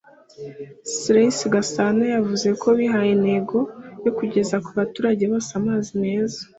Celse Gasana yavuze ko bihaye intego yo kugeza ku baturage bose amazi meza